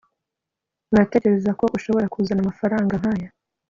uratekereza ko ushobora kuzana amafaranga nkaya